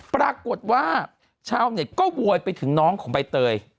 ปรากฏว่าชาวเน็ตก็โวยไปถึงน้องของใบเตย